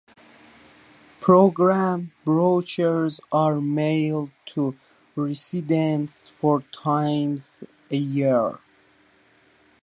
Program brochures are mailed to residents four times a year.